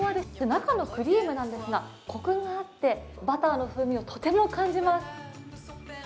中のクリームですがコクがあってバターの風味をとても感じます。